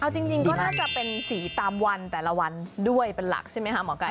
เอาจริงก็น่าจะเป็นสีตามวันแต่ละวันด้วยเป็นหลักใช่ไหมคะหมอไก่